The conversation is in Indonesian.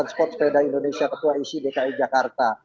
sport sepeda indonesia ketua isi dki jakarta